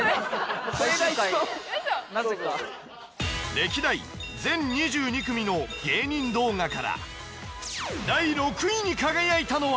歴代全２２組の芸人動画から第６位に輝いたのは。